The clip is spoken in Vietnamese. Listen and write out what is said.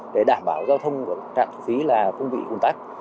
để đảm bảo giao thông của trạng thu phí là không bị ủn tắc